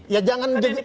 ya jangan jadi